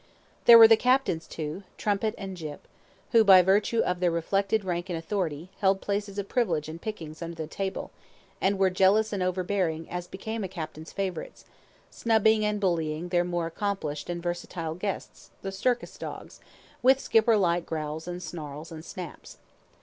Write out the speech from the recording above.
There were the captain's two, Trumpet and Jip, who, by virtue of their reflected rank and authority, held places of privilege and pickings under the table, and were jealous and overbearing as became a captain's favorites, snubbing and bullying their more accomplished and versatile guests, the circus dogs, with skipper like growls and snarls and snaps.